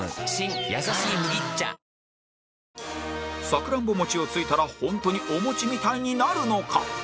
さくらんぼ餅をついたらホントにお餅みたいになるのか？